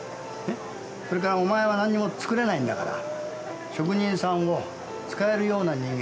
それからお前は何も作れないんだから職人さんを使えるような人間になれと。